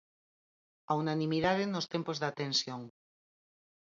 A unanimidade nos tempos da tensión.